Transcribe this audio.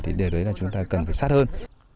thì điều đấy là chúng ta cần phải sát hơn